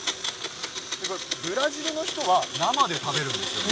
ブラジルの人は生で食べるんですよね。